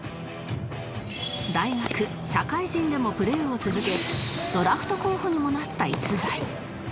大学社会人でもプレーを続けドラフト候補にもなった逸材